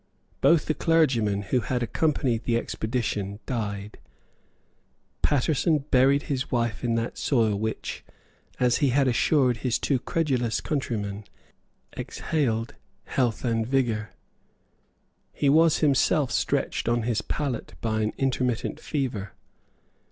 Both the clergymen who had accompanied the expedition died. Paterson buried his wife in that soil which, as he had assured his too credulous countrymen, exhaled health and vigour. He was himself stretched on his pallet by an intermittent fever.